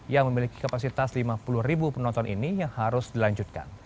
yang memiliki kapasitas lima puluh ribu penonton ini yang harus dilanjutkan